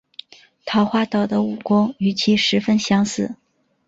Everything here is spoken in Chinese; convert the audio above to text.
桃花岛的武功与其十分相似。